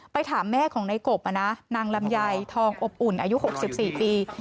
ถามแม่ของในกบนางลำไยทองอบอุ่นอายุ๖๔ปี